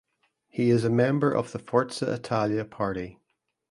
He is member of the Forza Italia party.